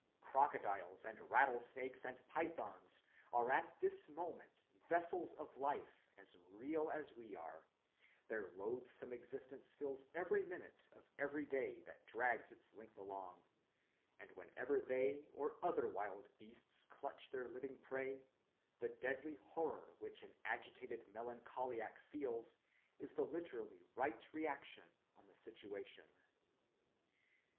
Crocodiles and rattlesnakes and pythons are at this moment vessels of life as real as we are; their loathsome existence fills every minute of every day that drags its length along; and whenever they or other wild beasts clutch their living prey, the deadly horror which an agitated melancholiac feels is the literally right reaction on the situation.